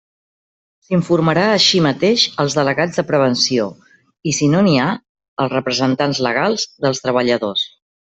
S'informarà així mateix als delegats de prevenció o si no n'hi ha als representants legals dels treballadors.